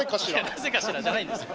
「なぜかしら」じゃないんですよ。